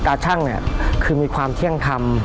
ตาช่างคือมีความเที่ยงทำ